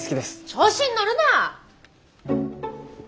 調子に乗るな！